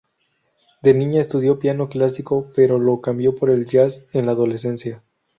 De niña estudió piano clásico, pero lo cambió por el jazz en la adolescencia.